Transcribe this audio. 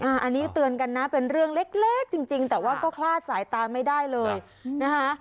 อันนี้เตือนกันนะเป็นเรื่องเล็กจริงแต่ว่าก็คลาดสายตาไม่ได้เลยนะคะ